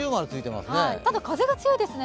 ただ、風が強いですね。